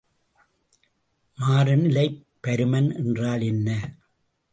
மாறுநிலைப் பருமன் என்றால் என்ன?